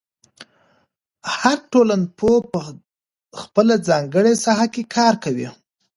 هر ټولنپوه په خپله ځانګړې ساحه کې کار کوي.